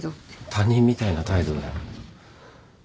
他人みたいな態度だよ。